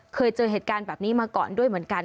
เคยเจอเหตุการณ์แบบนี้มาก่อนด้วยเหมือนกัน